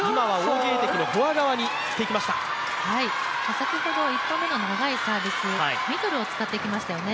先ほど１個目の長いサービスミドルを使ってきましたよね。